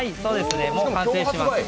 もう完成します。